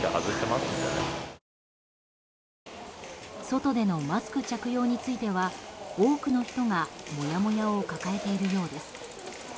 外でのマスク着用については多くの人がもやもやを抱えているようです。